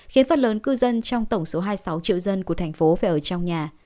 khiến phần lớn cư dân trong tổng số hai mươi sáu triệu dân của thành phố phải ở trong nhà